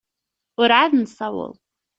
Ur εad nessaweḍ.